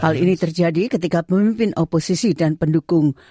hal ini terjadi ketika pemimpin oposisi dan pendukung